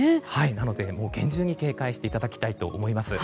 なので、厳重に警戒していただきたいと思います。